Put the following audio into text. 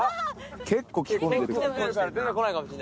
結構着込んでる。